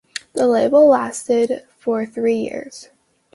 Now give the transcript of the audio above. The label lasted for three years.